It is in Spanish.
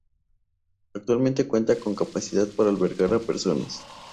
Actualmente cuenta con capacidad para albergar a personas.